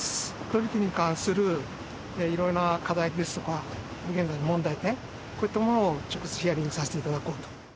取り引きに関するいろいろな課題ですとか、現在の問題点、こういったものを直接ヒアリングさせていただこうと。